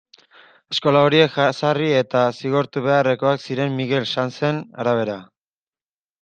Eskola horiek jazarri eta zigortu beharrekoak ziren Miguel Sanzen arabera.